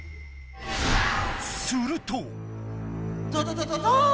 すると。